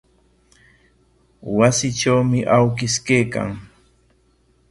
Wasitrawmi awkish kaykan.